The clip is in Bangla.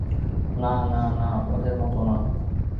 না না না, ওদের মতো না।